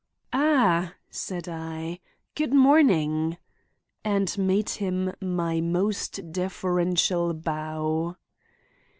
"Ah!" said I. "Good morning!" and made him my most deferential bow.